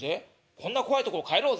こんな怖いところ帰ろうぜ」。